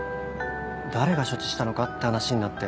誰が処置したのかって話になって。